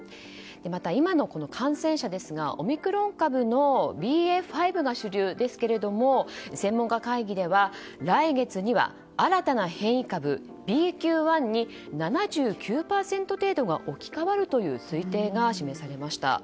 また、今の感染者ですがオミクロン株のＢＡ．５が主流ですけれども専門家会議では、来月には新たな変異株ＢＱ．１に７９％程度が置き換わるという推定が示されました。